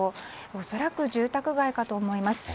恐らく住宅街かと思います。